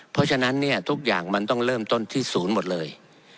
เพราะฉะนั้นเนี่ยทุกอย่างมันต้องเริ่มต้นที่ศูนย์หมดเลย